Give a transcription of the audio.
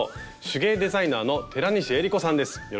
手芸デザイナーの寺西恵里子さんです！